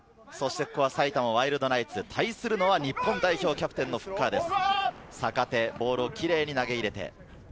埼玉ワイルドナイツ、対するのは日本代表キャプテンのフッカーです。